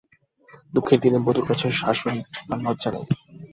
দুঃখের দিনে বধূর কাছে শাশুড়ির আর লজ্জা নাই।